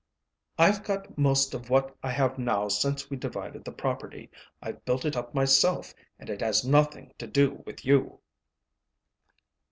I've got most of what I have now since we divided the property; I've built it up myself, and it has nothing to do with you."